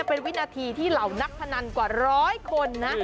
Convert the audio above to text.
เป็นวินาทีที่เหล่านักพนันกว่าร้อยคนนะ